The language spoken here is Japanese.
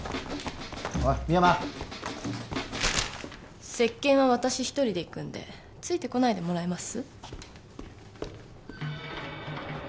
おい深山接見は私一人で行くんでついてこないでもらえます？